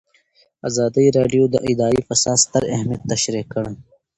ازادي راډیو د اداري فساد ستر اهميت تشریح کړی.